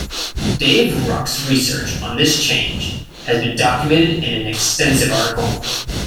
Dave Ruch's research on this change has been documented in an extensive article.